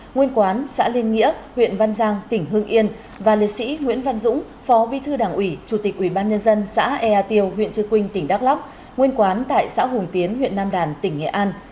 nguyên quán tại xã hùng tiến huyện nam đàn tỉnh nghệ an